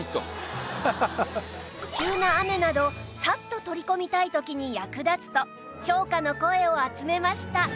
急な雨などサッと取り込みたい時に役立つと評価の声を集めました